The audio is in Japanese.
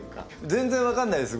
全然分かんないです。